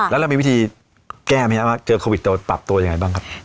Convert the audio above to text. แล้วเรามีวิธีแก้ไหมครับว่าเจอโควิดจะปรับตัวยังไงบ้างครับ